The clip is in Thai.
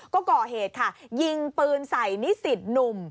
ก็ก่อเหตุค่ะยิงปืนใส่นิสิตหนุ่ม